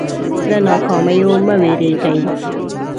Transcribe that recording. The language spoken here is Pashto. له ناکامیو مه وېرېږئ.